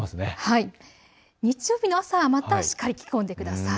日曜日の朝は、またしっかり着込んでください。